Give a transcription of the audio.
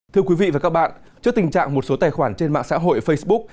thưa quý vị và các bạn trước tình trạng một số tài khoản trên mạng xã hội facebook